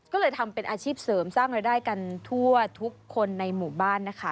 ก็เลยทำเป็นอาชีพเสริมสร้างรายได้กันทั่วทุกคนในหมู่บ้านนะคะ